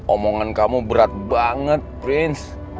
omongan kamu berat banget prince